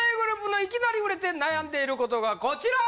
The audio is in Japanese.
ｇｒｏｕｐのいきなり売れて悩んでいることがこちら！